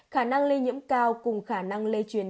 khả năng lây nhiễm cao cùng khả năng lây truyền